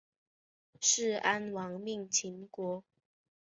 士鞅亡命秦国。